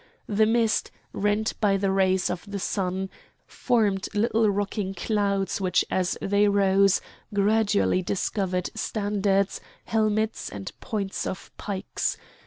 The mist, rent by the rays of the sun, formed little rocking clouds which as they rose gradually discovered standards, helmets, and points of pikes.